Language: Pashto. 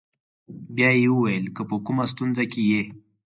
بیا یې وویل: که په کومه ستونزه کې یې.